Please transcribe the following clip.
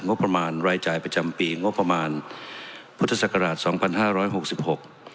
งบประมาณรายจ่ายประจำปีงบประมาณพุทธศักราชสองพันห้าร้อยหกสิบหก